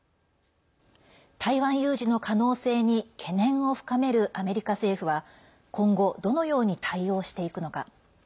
台湾有事の可能性に懸念を深めるアメリカ政府は今後どのように対応していくのか。